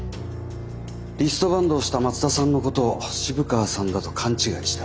リストバンドをした松田さんのことを渋川さんだと勘違いした。